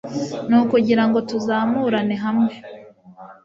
ni ukugirango tuzamurane hamwe